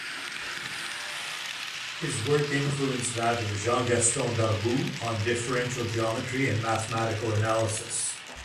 His work influenced that of Jean Gaston Darboux on differential geometry and mathematical analysis.